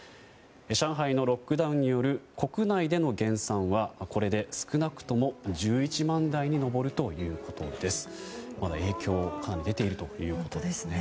上海のロックダウンによる国内での減産はこれで少なくとも１１万台に上るということです。